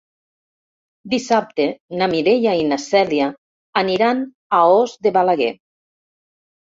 Dissabte na Mireia i na Cèlia aniran a Os de Balaguer.